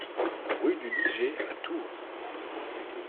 Rue du Liget à Tours